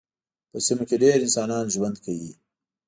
په سیمو کې ډېر انسانان ژوند کاوه.